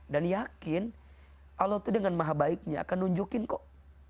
dan yakin allah itu dengan maha baiknya akan nunjukin kok